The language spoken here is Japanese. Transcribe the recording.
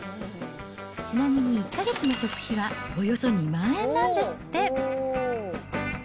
ちなみに１か月の食費はおよそ２万円なんですって。